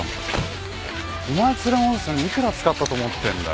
お前連れ戻すのに幾ら使ったと思ってんだよ？